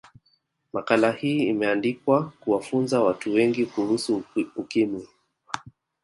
makala hii imeandikwa kuwafunza watu wengi kuhusu ukimwi